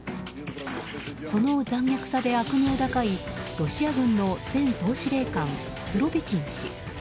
その残虐さで悪名高いロシア軍の前総司令官スロビキン氏。